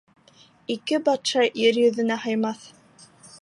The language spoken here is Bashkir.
Ике батша ер йөҙөнә һыймаҫ.